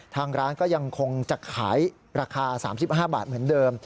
ทางร้านก็ยังคงจะขายราคา๓๕บาทเหมือนเดิม